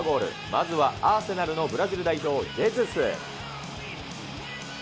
まずはアーセナルのブラジル代表ジェズス。